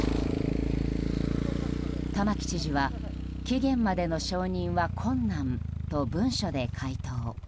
玉城知事は期限までの承認は困難と文書で回答。